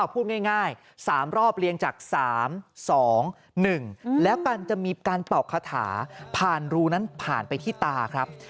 พูดง่าย๓รอบเลี้ยงจาก๓๒๑แล้วกันจะมีการเป่าคาถาผ่านรูนั้นผ่านไปที่ตาครับ